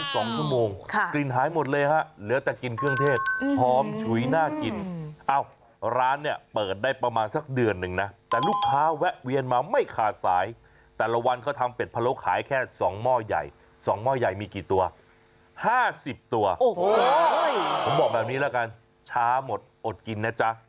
ผมบอกแบบนี้ละกันช้าหมดอดกินนะจ๊ะ